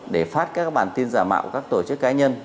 để phát các bản tin giả mạo của các tổ chức cá nhân